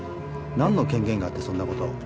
なんの権限があってそんな事を？